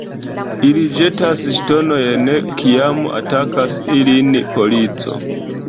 Ili ĵetas ŝtonojn, kiam atakas ilin polico.